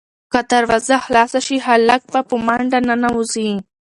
که دروازه خلاصه شي، هلک به په منډه ننوځي.